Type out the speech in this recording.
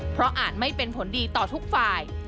เพราะอาจไม่เป็นผลดีต่อทุกฝ่าย